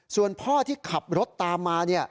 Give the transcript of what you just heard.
ส่วนพ่อที่ขับรถตามมา